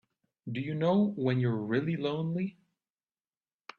Do you know when you're really lonely?